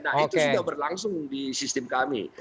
nah itu sudah berlangsung di sistem kami